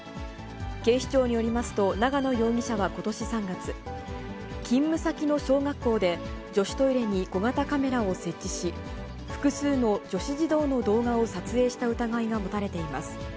警視庁によりますと、永野容疑者はことし３月、勤務先の小学校で、女子トイレに小型カメラを設置し、複数の女子児童の動画を撮影した疑いが持たれています。